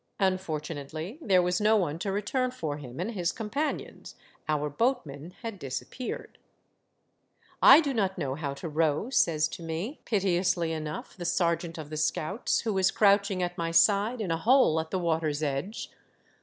Unfortunately, there was no one to return for him and his companions. Our boatman had disap peared. At the Outposts, 99 '* I do not know how to row," says to me, pite ously enough, the sergeant of the scouts, who is crouching at my side in a hole at the water's edge.